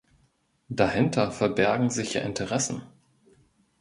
Dahinter verbergen sich ja Interessen.